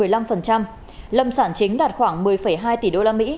lâm sản chính đạt khoảng một mươi hai tỷ usd